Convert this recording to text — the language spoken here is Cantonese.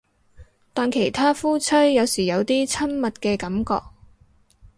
但其他夫妻有時有啲親密嘅感覺